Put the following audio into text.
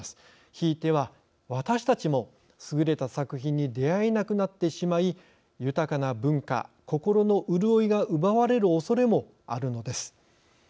ひいては、私たちも優れた作品に出会えなくなってしまい豊かな文化、心の潤いが奪われるおそれもあるのです。